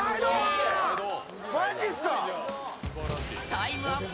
タイムアップ